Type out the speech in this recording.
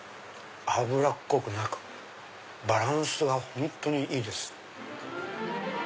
脂っこくなくバランスが本当にいいです。